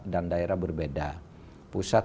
dan daerah berbeda pusat